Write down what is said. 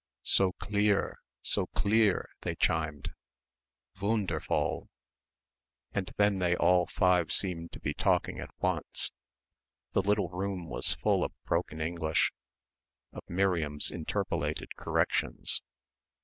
"So cleare, so cleare," they chimed, "Voonderfoll." And then they all five seemed to be talking at once. The little room was full of broken English, of Miriam's interpolated corrections.